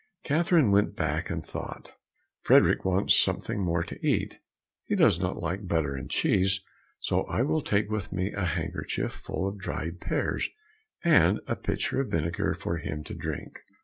Catherine went back and thought, "Frederick wants something more to eat, he does not like butter and cheese, so I will take with me a handkerchief full of dried pears and a pitcher of vinegar for him to drink."